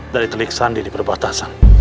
dari telik sandi di perbatasan